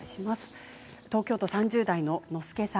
東京都３０代の方。